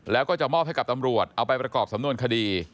แล้วก็จะมอบให้กับตำรวจเอาไปประกอบสำนวนคดี